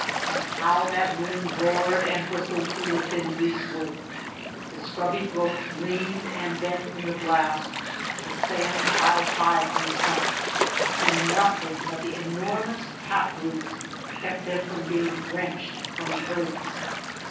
And how that wind roared and whistled through the thin grease wood ! The scrubby growths leaned and bent in the blast, the sand piled high on the trunks ; and nothing but the enormous tap roots kept them from being wrenched from the earth.